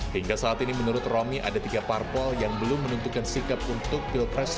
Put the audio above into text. hingga saat ini menurut romi ada tiga parpol yang belum menentukan sikap untuk pilpres dua ribu sembilan belas